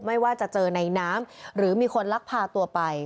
ไม่ว่าจะเจอในน้ำหรือมีคนลักพาตัวไป